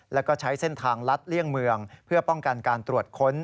แล้วก็ใช้เส้นทางลัดเลี่ยงเมืองเพื่อป้องกันการตรวจค้น